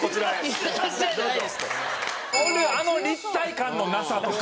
あの立体感のなさとか。